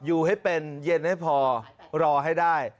อยู่ให้เป็นเย็นให้พอรอให้ได้